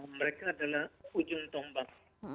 mereka adalah ujung tombak